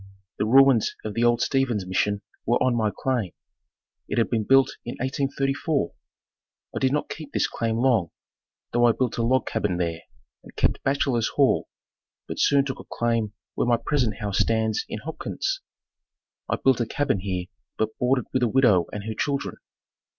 The ruins of the old Steven's Mission were on my claim. It had been built in 1834. I did not keep this claim long, though I built a log cabin there and kept bachelor's hall, but soon took a claim where my present house stands in Hopkins. I built a cabin here but boarded with a widow and her children.